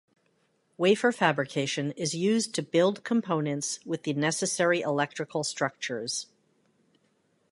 Wafer fabrication is used to build components with the necessary electrical structures.